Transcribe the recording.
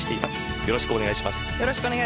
よろしくお願いします。